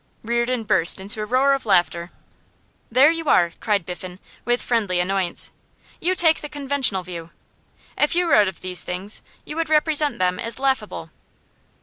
Reardon burst into a roar of laughter. 'There you are!' cried Biffen, with friendly annoyance. 'You take the conventional view. If you wrote of these things you would represent them as laughable.